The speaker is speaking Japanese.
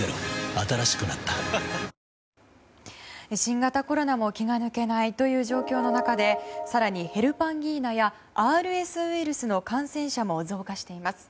新しくなった新型コロナも気が抜けないという状況の中で更に、ヘルパンギーナやＲＳウイルスの感染者も増加しています。